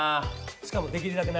しかもできるだけ長く。